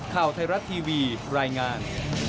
ข่าวไทยรัฐทีวีรายงาน